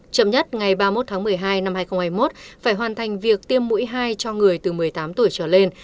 chậm nhất ngày ba mươi một tháng một mươi hai năm hai nghìn hai mươi một phải hoàn thành việc tiêm mũi hai cho người từ một mươi tám tuổi trở lên